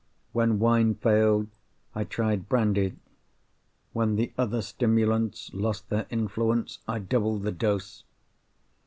When wine failed, I tried brandy. When the other stimulants lost their influence, I doubled the dose.